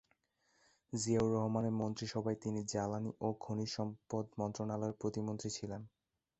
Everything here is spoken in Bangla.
জিয়াউর রহমানের মন্ত্রিসভায় তিনি জ্বালানি ও খনিজ সম্পদ মন্ত্রণালয়ের প্রতিমন্ত্রী ছিলেন।